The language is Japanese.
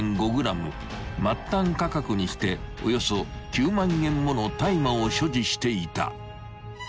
［末端価格にしておよそ９万円もの大麻を所持していた］